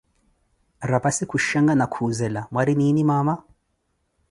Raphassi khushanka na khuzela: Mwari nini mama?